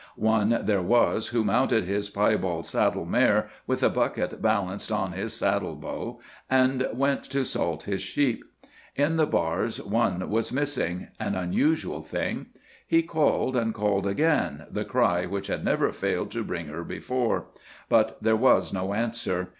One there was who mounted his piebald saddle mare, with a bucket balanced on his saddle bow, and went to salt his sheep. At the bars one was missing; an unusual thing. He called and called again, the cry which had never failed to bring her before. But there was no answer.